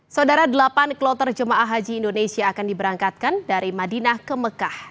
saudara delapan kloter jemaah haji indonesia akan diberangkatkan dari madinah ke mekah